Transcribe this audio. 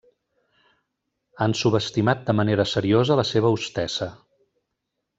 Han subestimat de manera seriosa la seva hostessa.